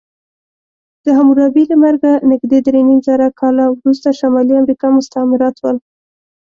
د حموربي له مرګه نږدې درېنیمزره کاله وروسته شمالي امریکا مستعمرات ول.